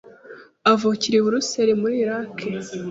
avukira i Basra muri Iraki